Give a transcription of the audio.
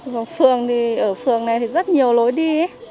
còn phường thì ở phường này thì rất nhiều lối đi